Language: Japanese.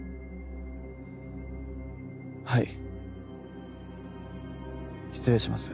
はい失礼します。